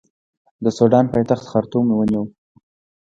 د سوډان پایتخت خرطوم ونیو.